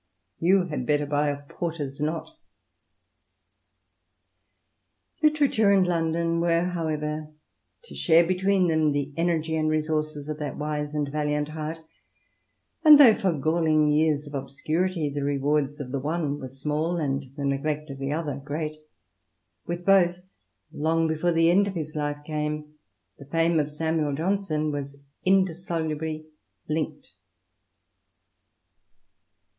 "You had better buy a porter's knot." Literature and London were, however, to share between them the energy and resources of that wise and valiant heart, and though for galling years of obscurity the rewards of the one were small and the neglect of the other great, with both, long before the end of his life came, the fame of Samuel Johnson was indissolubly linked.